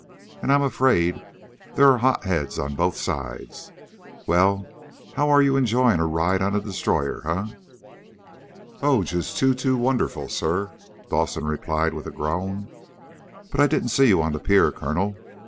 And I'm afraid there are hot heads on both sides. Well, how are you enjoying a ride on a destroyer, eh?" "Oh, just too, too wonderful, sir!" Dawson replied with a groan. "But I didn't see you on the pier, Colonel.